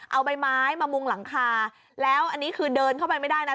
เอาใบไม้มามุงหลังคาแล้วอันนี้คือเดินเข้าไปไม่ได้นะ